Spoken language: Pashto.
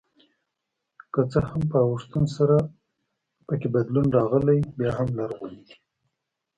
که څه هم په اوښتون سره پکې بدلون راغلی بیا هم لرغوني دي.